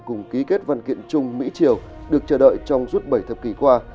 cùng ký kết văn kiện chung mỹ triều được chờ đợi trong suốt bảy thập kỷ qua